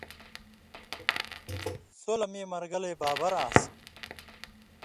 سو لہ مِیں مَرگَلئ بابر آن٘س،